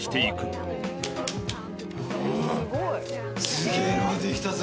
すげえのができたぞ。